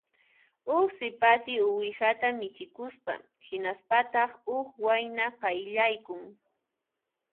Huk sipassi uwihata michikusqa; hinaspataq huk wayna qayllaykun